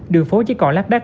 đường phố chỉ còn lát đắt